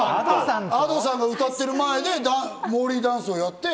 Ａｄｏさんが歌ってる前でモーリーダンスをやって。